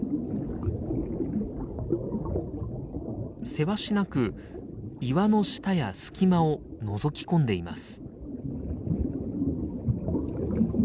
せわしなく岩の下や隙間をのぞき込んでいます。